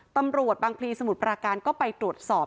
ตำรวจบางพลีสมุทรปราการก็ไปตรวจสอบ